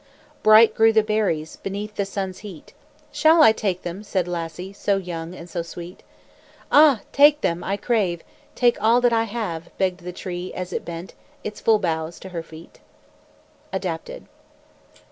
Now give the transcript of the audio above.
Bright grew the berries Beneath the sun's heat. "Shall I take them?" said Lassie So young and so sweet. "Ah! take them, I crave! Take all that I have!" Begged the Tree, as it bent Its full boughs to her feet. ADAPTED.